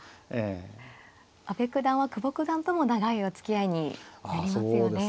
阿部九段は久保九段とも長いおつきあいになりますよね。